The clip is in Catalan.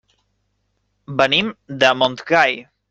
Venim de Montgai.